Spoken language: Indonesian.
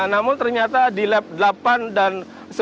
namun ternyata di lap delapan dan sembilan